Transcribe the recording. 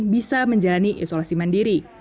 bisa menjalani isolasi mandiri